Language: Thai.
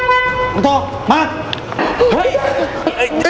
น้องโทกมา